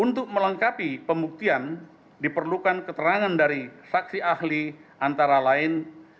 untuk melengkapi pembuktian diperlukan keterangan dari saksi ahli antara lain